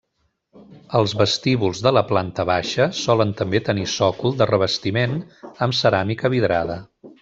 Els vestíbuls de la planta baixa solen també tenir sòcol de revestiment amb ceràmica vidrada.